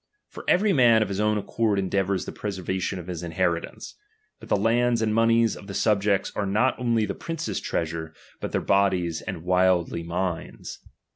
For every man of his own accord endeavours the preservation of his inheritance. But the lands and monies of the subjects are not only the prince's treasure, but their bodies and wildy minds.